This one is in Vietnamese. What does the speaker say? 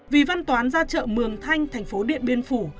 vì văn toán ra chợ mường thanh thành phố điện biên phủ